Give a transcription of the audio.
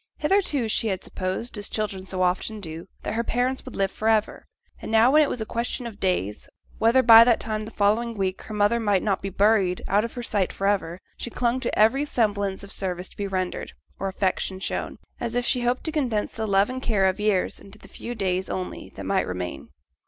Hitherto she had supposed, as children so often do, that her parents would live for ever; and now when it was a question of days, whether by that time the following week her mother might not be buried out of her sight for ever, she clung to every semblance of service to be rendered, or affection shown, as if she hoped to condense the love and care of years into the few days only that might remain.